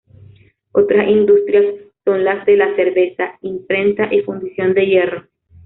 Otras industrias son las de la cerveza, imprenta y fundición de hierro.